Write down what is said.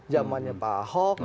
zamannya pak ahok